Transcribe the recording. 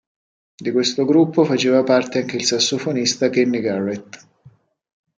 Di questo gruppo faceva parte anche il sassofonista Kenny Garrett.